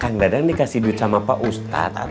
kang dadang dikasih duit sama pak ustadz